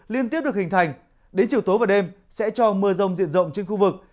liên tiếp được hình thành đến chiều tối và đêm sẽ cho mưa rông diện rộng trên khu vực